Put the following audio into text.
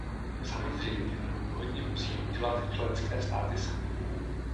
Samozřejmě, hodně musí udělat členské státy samy.